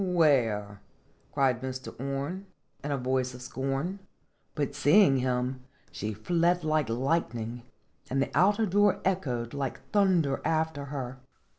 "Where?" cried Mr. Orne, in a voice of scorn. But, seeing him, she fled like light ning, and the outer door echoed like thunder after her.